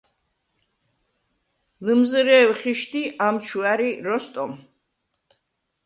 ლჷმზრე̄ვ ხიშდ ი ამჩუ ა̈რი როსტომ.